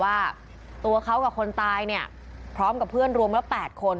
ว่าตัวเขากับคนตายเนี่ยพร้อมกับเพื่อนรวมแล้ว๘คน